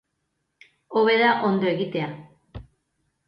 Hobe da ondo egitea.